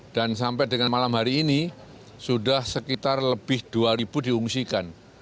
dan sampai dengan malam hari ini sudah sekitar lebih dua ribu diungsikan